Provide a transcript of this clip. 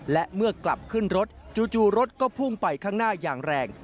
และเมื่อกลับขึ้นรถจู่รถก็พุ่งไปข้างหน้าอย่างแรง